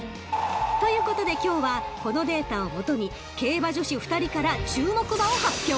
［ということで今日はこのデータを基に競馬女子２人から注目馬を発表！